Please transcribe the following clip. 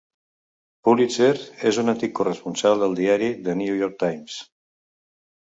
Pulitzer és un antic corresponsal del diari "The New York Times".